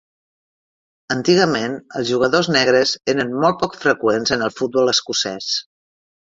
Antigament, els jugadors negres eren molt poc freqüents en el futbol escocès.